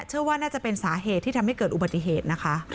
เชื่อว่าน่าจะเป็นสาเหตุที่ทำให้เกิดอุบัติเหตุนะคะ